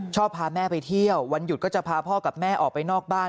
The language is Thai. พาแม่ไปเที่ยววันหยุดก็จะพาพ่อกับแม่ออกไปนอกบ้าน